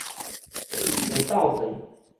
下晝頓